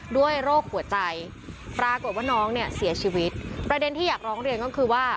โรคหัวใจปรากฏว่าน้องเนี่ยเสียชีวิตประเด็นที่อยากร้องเรียนก็คือว่า